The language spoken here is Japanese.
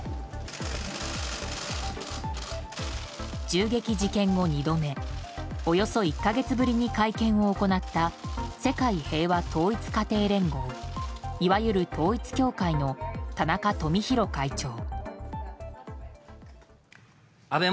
銃撃事件後２度目およそ１か月ぶりに会見を行った世界平和統一家庭連合いわゆる統一教会の田中富広会長。